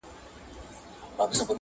هیڅ شی مه رانیسئ